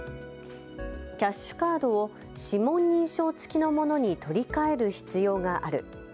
キャッシュカードを指紋認証付きのものに取り替える必要がある。